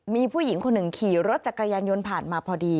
มีผู้หญิงคนหนึ่งขี่รถจักรยานยนต์ผ่านมาพอดี